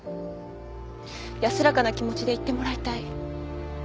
安らかな気持ちで逝ってもらいたい。